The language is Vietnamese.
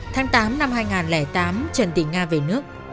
tháng tám năm hai nghìn tám trần thị nga về nước